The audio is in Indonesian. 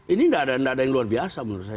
ini tidak ada yang luar biasa menurut saya